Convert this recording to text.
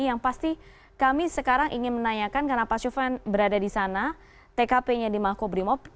yang pasti kami sekarang ingin menanyakan karena pak syufan berada di sana tkp nya di makobrimob